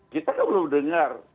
kita kan belum dengar